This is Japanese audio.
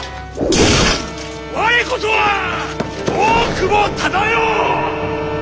我こそは大久保忠世！